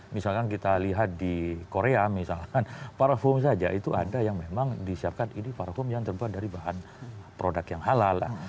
misalkan kita lihat di korea misalkan parfum saja itu ada yang memang disiapkan ini parfum yang terbuat dari bahan produk yang halal lah